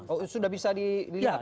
oh sudah bisa dilihat